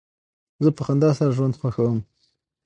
زه په خندا سره ژوند خوښوم.